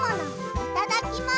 いただきます。